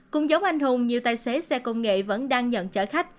cùng giống anh hùng nhiều tài xế xe công nghệ vẫn đang nhận chở khách